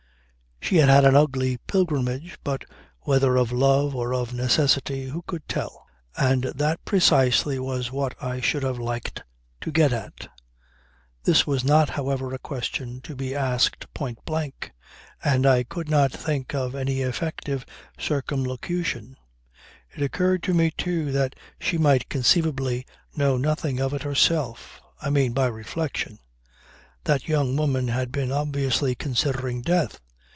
She had had an ugly pilgrimage; but whether of love or of necessity who could tell? And that precisely was what I should have liked to get at. This was not however a question to be asked point blank, and I could not think of any effective circumlocution. It occurred to me too that she might conceivably know nothing of it herself I mean by reflection. That young woman had been obviously considering death.